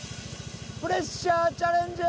プレッシャーチャレンジ！